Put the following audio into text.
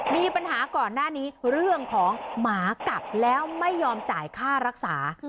มีปัญหาก่อนหน้านี้เรื่องของหมากัดแล้วไม่ยอมจ่ายค่ารักษา